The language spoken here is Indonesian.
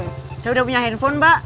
saya sudah punya handphone mbak